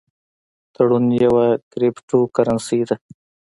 ټرون یوه کریپټو کرنسي ده